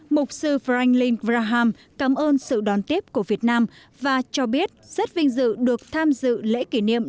mục sư franklin graham cảm ơn sự đón tiếp của việt nam và cho biết rất vinh dự được tham dự lễ kỷ niệm